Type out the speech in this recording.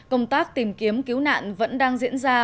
công tác tìm kiếm cứu nạn vẫn đang diễn ra